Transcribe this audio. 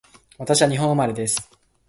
私は日本生まれです